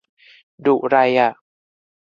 ดุไรอ่ะ